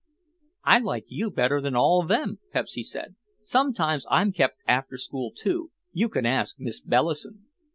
"I like you better than all of them," Pepsy said. "Sometimes I'm kept after school too, you can ask Miss Bellison."